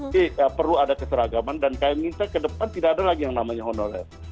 jadi perlu ada keseragaman dan kami minta ke depan tidak ada lagi yang namanya honorer